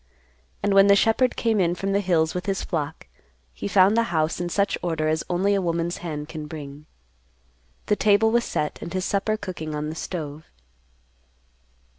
And when the shepherd came in from the hills with his flock he found the house in such order as only a woman's hand can bring. The table was set, and his supper cooking on the stove.